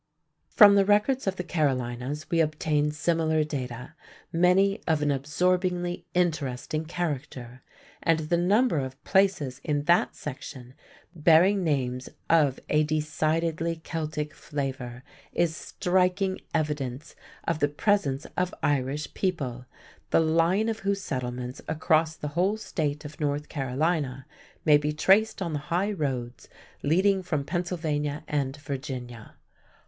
From the records of the Carolinas we obtain similar data, many of an absorbingly interesting character, and the number of places in that section bearing names of a decidedly Celtic flavor is striking evidence of the presence of Irish people, the line of whose settlements across the whole State of North Carolina may be traced on the high roads leading from Pennsylvania and Virginia.